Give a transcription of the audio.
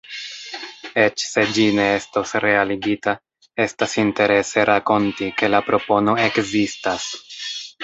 Eĉ se ĝi ne estos realigita, estas interese rakonti, ke la propono ekzistas.